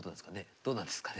どうなんですかね？